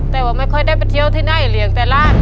แต่ว่าไม่ค่อยได้ไปเที่ยวที่ไหนเลี้ยงแต่ร่าง